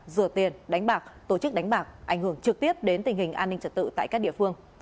rửa tiền đánh bạc tổ chức đánh bạc ảnh hưởng trực tiếp đến tình hình an ninh trật tự tại các địa phương